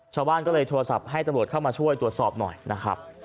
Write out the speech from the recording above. ชาวบ้านก็เลยโทรศัพท์ให้ตำรวจเข้ามาช่วยตรวจสอบหน่อยนะครับ